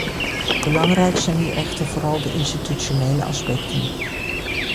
Belangrijk zijn hier echter vooral de institutionele aspecten.